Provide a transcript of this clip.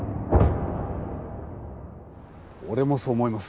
俺もそう思います。